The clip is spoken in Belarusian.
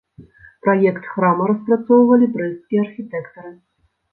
Праект храма распрацоўвалі брэсцкія архітэктары.